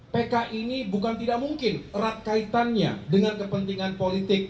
pk ini bukan tidak mungkin erat kaitannya dengan kepentingan politik